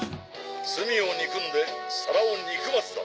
「罪を憎んで皿を憎まずだ」